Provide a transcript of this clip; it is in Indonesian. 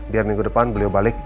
biar minggu depan beliau balik